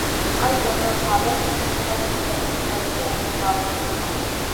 البتہ بھارت کی ہٹ دھرمی کاتوڑ نکالنا ہوگا